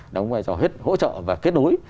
đóng vai trò hết hỗ trợ và kết nối